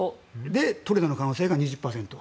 トレードの可能性が２０％。